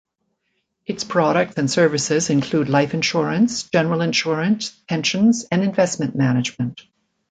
Its products and services include life insurance, general insurance, pensions and investment management.